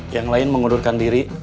yang lain mengundurkan diri